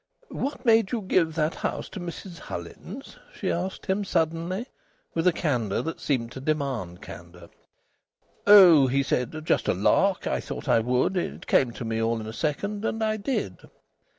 "What made you give that house to Mrs Hullins?" she asked him suddenly, with a candour that seemed to demand candour. "Oh," he said, "just a lark! I thought I would. It came to me all in a second, and I did."